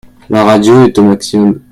La radio est au maximum.